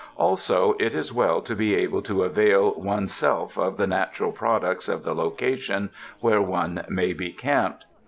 Also it is well to be able to avail one's self of the natural products of the location where one may he camped.